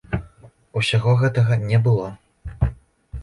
Усяго гэтага не было!